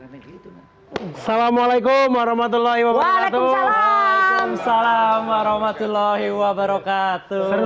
assalamualaikum warahmatullahi wabarakatuh salam salam warahmatullahi wabarakatuh seru